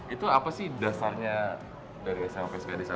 itu apa sih dasarnya dari sma satu pskd jakarta pusat